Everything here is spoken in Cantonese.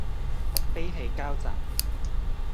悲喜交集